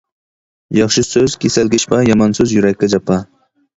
ياخشى سۆز كېسەلگە شىپا، يامان سۆز يۈرەككە جاپا.